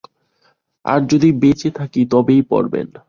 আর যদি বেঁচে থাকি তবেই পড়বেন।